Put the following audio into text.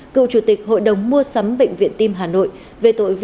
cựu chủ tịch hội đồng mua sắm bệnh viện tim hà nội